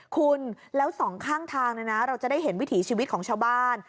คุณแล้วสองข้างทางเราจะได้เห็นวิถีชีวิตของชาวบ้าน